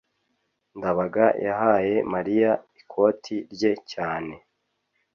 ndabaga yahaye mariya ikoti rye cyane